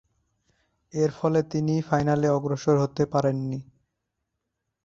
এরফলে তিনি ফাইনালে অগ্রসর হতে পারেননি।